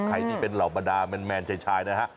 ใครที่เป็นเหล่าบรรดาแมนชายนะฮะ